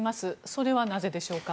それはなぜでしょうか？